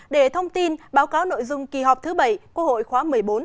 để thông tin báo cáo nội dung kỳ họp thứ bảy quốc hội khóa một mươi bốn